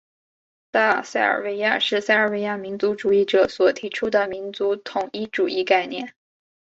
大塞尔维亚是塞尔维亚民族主义者所提出的民族统一主义概念。